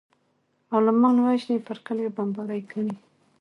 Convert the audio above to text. عالمان وژني پر کليو بمبارۍ کوي.